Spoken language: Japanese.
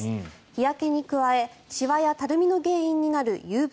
日焼けに加えシワやたるみの原因になるＵＶＡ。